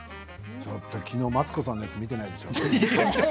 ちょっときのうマツコさんの見てないでしょう？